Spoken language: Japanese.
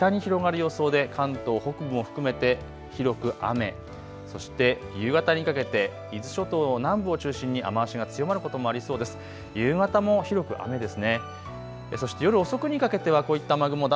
その後、日中もこの雨の範囲がだんだん北に広がる予想で関東北部も含めて広く雨、そして夕方にかけて伊豆諸島南部を中心に雨足が強まることもありそうです。